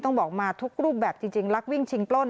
ต้องบอกมาทุกรูปแบบจริงลักวิ่งชิงปล้น